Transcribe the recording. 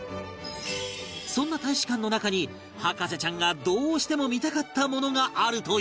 そんな大使館の中に博士ちゃんがどうしても見たかったものがあるという